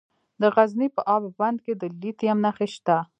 د غزني په اب بند کې د لیتیم نښې شته.